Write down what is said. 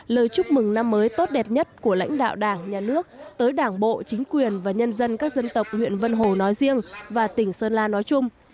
lời chúc mừng năm mới tốt đẹp nhất của lãnh đạo đảng nhà nước tới đảng bộ chính quyền và nhân dân các dân tộc huyện vân hồ nói riêng và tỉnh sơn la nói chung